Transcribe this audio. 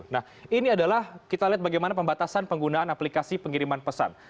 nah ini adalah kita lihat bagaimana pembatasan penggunaan aplikasi pengiriman pesan